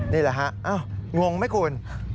นี่แหละฮะงงไหมคุณ